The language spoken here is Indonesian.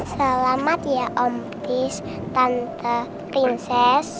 selamat ya om tis tante prinses